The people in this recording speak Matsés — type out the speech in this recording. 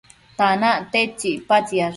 tanac tedtsi icpatsiash?